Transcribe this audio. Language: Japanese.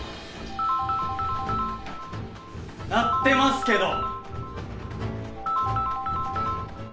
鳴ってますけど！